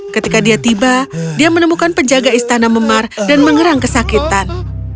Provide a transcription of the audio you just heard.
ketika dia tiba dia menemukan penjaga istana memar dan mengerang kesakitan